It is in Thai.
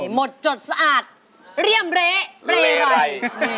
หมดจดสะอาดเรียมเละเรไร